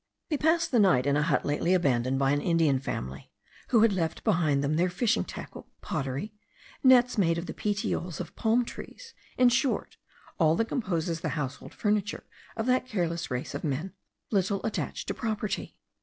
We passed the night in a hut lately abandoned by an Indian family, who had left behind them their fishing tackle, pottery, nets made of the petioles of palm trees; in short, all that composes the household furniture of that careless race of men, little attached to property.